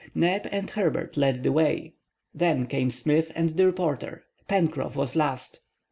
Neb and Herbert led the way, then came Smith and the reporter; Pencroff was last.